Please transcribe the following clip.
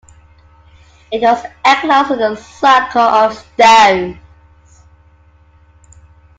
It was enclosed with a circle of stones.